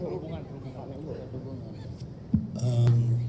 pak men ibu